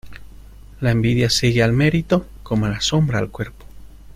La envidia sigue al mérito, como la sombra al cuerpo.